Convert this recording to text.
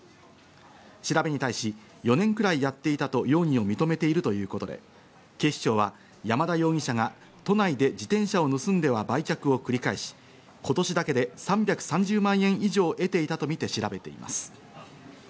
調べに対し、４年くらいやっていたと容疑を認めているということで警視庁は山田容疑者が都内で自転車を盗んでは売却を繰り返し、今年だけで３３０万円以上を得ていたとみて調べています。